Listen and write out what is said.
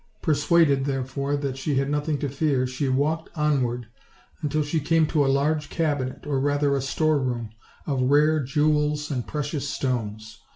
Persuaded, therefore, that she had nothing to fear, she walked onward until she came to a large cabinet, or rather a storeroom, of rare jewels and precious stones.